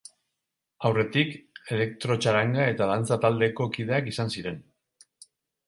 Aurretik, elektrotxaranga eta dantza taldeko kideak izan ziren.